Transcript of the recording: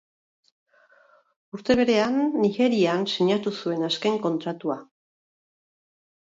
Urte berean, Nigerian sinatu zuen azken kontratua.